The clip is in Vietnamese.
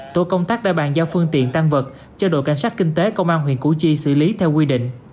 tổ công tác đã bàn giao phương tiện tăng vật cho đội cảnh sát kinh tế công an huyện củ chi xử lý theo quy định